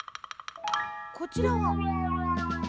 こちらは？